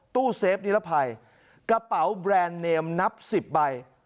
ตู้เซฟนิรภัยกระเป๋าแบรนด์เนมนับ๑๐ใบ